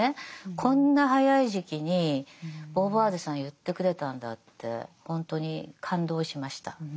こんな早い時期にボーヴォワールさんは言ってくれたんだってほんとに感動しました。